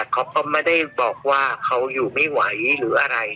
เขาก็ไม่ได้บอกว่าเขาอยู่ไม่ไหวหรืออะไร